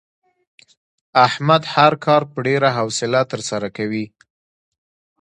احمد هر کار په ډېره حوصله ترسره کوي.